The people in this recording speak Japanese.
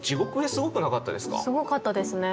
すごかったですね。